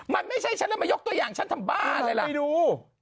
มันไม่ใช่ฉันล่ะมายกตัวอย่างฉันทำบ้าอะไรหรอก